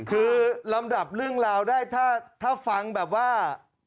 คือลำดับเรื่องราวได้ถ้าฟังแบบว่า